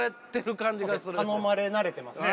頼まれ慣れてますね。